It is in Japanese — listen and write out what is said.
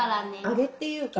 揚げっていうか。